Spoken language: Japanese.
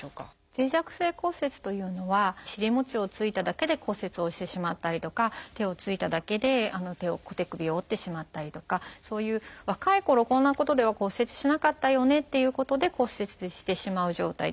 脆弱性骨折というのは尻もちをついただけで骨折をしてしまったりとか手をついただけで手首を折ってしまったりとかそういう若いころこんなことでは骨折しなかったよねっていうことで骨折してしまう状態